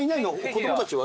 子供たちは？